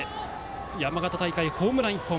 山形大会、ホームラン１本。